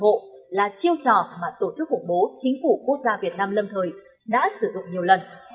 ủng hộ là chiêu trò mà tổ chức khủng bố chính phủ quốc gia việt nam lâm thời đã sử dụng nhiều lần